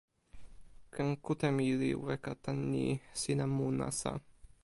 ken kute mi li weka tan ni: sina mu nasa.